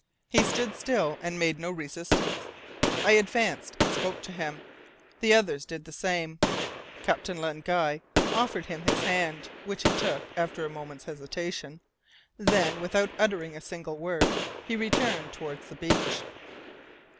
He stood still and made no resistance. I advanced and spoke to him, the others did the same. Captain Len Guy offered him his hand, which he took after a moment's hesitation. Then, without uttering a single word, he returned towards the beach.